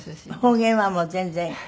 方言はもう全然。